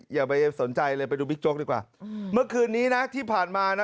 อย่าไปสนใจเลยไปดูบิ๊กโจ๊กดีกว่าเมื่อคืนนี้นะที่ผ่านมานะ